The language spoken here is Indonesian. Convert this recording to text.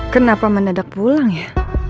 kenapa mendadak pulang ya